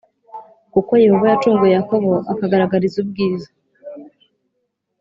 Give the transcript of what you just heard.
Kuko yehova yacunguye yakobo akagaragariza ubwiza